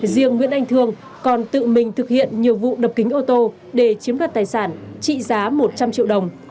riêng nguyễn anh thương còn tự mình thực hiện nhiều vụ đập kính ô tô để chiếm đoạt tài sản trị giá một trăm linh triệu đồng